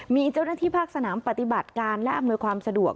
มีเจ้าหน้าที่ภาคสนามปฏิบัติการและอำนวยความสะดวก